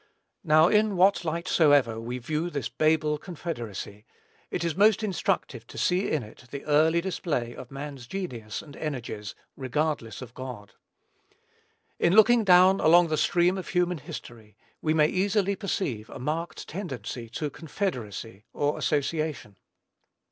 Now, in what light soever we view this Babel confederacy, it is most instructive to see in it the early display of man's genius and energies, regardless of God. In looking down along the stream of human history, we may easily perceive a marked tendency to confederacy, or association.